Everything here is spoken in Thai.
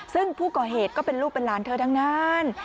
ซึ่งผู้ก่อเหตุก็เป็นลูกเป็นหลานเธอทั้งนั้น